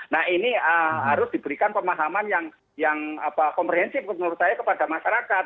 nah ini harus diberikan pemahaman yang komprehensif menurut saya kepada masyarakat